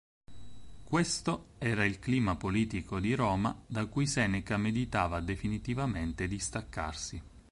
Questo era il clima politico di Roma da cui Seneca meditava definitivamente di staccarsi.